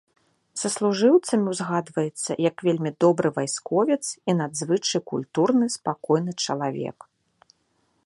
Саслужыўцамі ўзгадваецца як вельмі добры вайсковец і надзвычай культурны, спакойны чалавек.